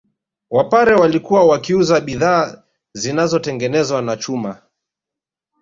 Wapare walikuwa wakiuza bidhaa zinazotengenezwa na chuma